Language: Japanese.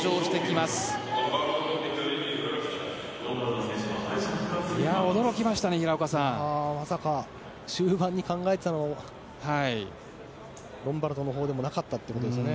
まさか終盤に考えていたのはロンバルドのほうでもなかったということですね。